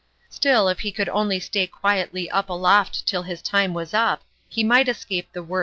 Still, if he could only stay quietly up aloft till his time was up, he might escape the wor.